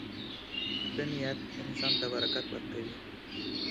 • ښه نیت انسان ته برکت ورکوي.